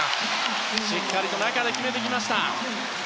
しっかり中で決めてきました。